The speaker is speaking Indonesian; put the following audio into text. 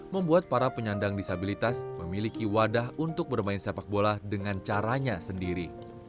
membuat para penyandang disabilitas memiliki wadah untuk bermain sepak bola dengan caranya sendiri